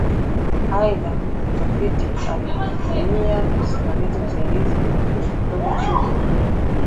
Aidha mtafiti alitumia Msimamizi Msaidizi kutoka Chuo Kikuu